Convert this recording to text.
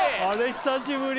久しぶり。